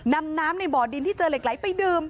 นำน้ำในบ่อดินที่เจอเหล็กไหลไปดื่ม